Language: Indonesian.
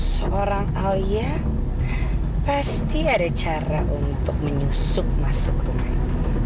seorang alia pasti ada cara untuk menyusup masuk rumah itu